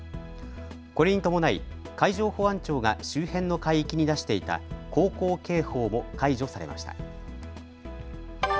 これに伴い海上保安庁が周辺の海域に出していた航行警報も解除されました。